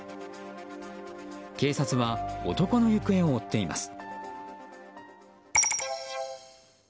警察は男の行方を追っています。